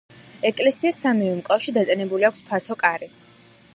ეკლესიას სამივე მკლავში დატანებული აქვს ფართო კარი.